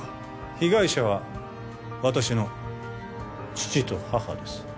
被害者は私の父と母です